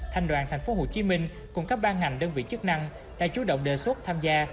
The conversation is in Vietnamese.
thành đoàn thành phố hồ chí minh cùng các ba ngành đơn vị chức năng đã chú động đề xuất tham gia